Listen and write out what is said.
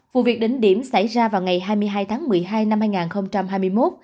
vụ việc đỉnh điểm xảy ra vào ngày hai mươi hai tháng một mươi hai năm hai nghìn hai mươi một